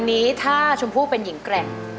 วันนี้ถ้าชมพู่เป็นหญิงแกร่ง